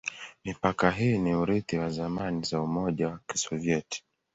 Mipaka hii ni urithi wa zamani za Umoja wa Kisovyeti.